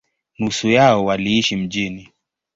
Nusu yao waliishi mjini.